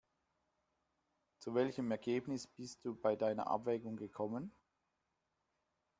Zu welchem Ergebnis bist du bei deiner Abwägung gekommen?